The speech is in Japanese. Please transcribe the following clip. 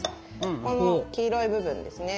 この黄色い部分ですね。